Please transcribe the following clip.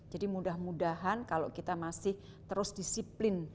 jadi mudah mudahan kalau kita masih terus disiplin